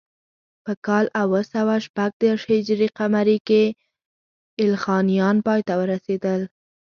په کال اوه سوه شپږ دېرش هجري قمري کې ایلخانیان پای ته ورسېدل.